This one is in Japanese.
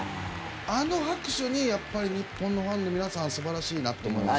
あの拍手にやっぱり日本のファンの皆さん素晴らしいなと思いました。